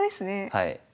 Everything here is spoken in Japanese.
はい。